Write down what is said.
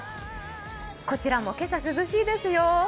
こちらも今朝、涼しいですよ。